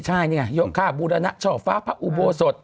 ใช่เนี่ยยกค่าบูรณะช่อฟ้าพระอุโบสถ